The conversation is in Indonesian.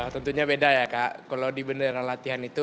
tentunya beda ya kak kalau di bendera latihan itu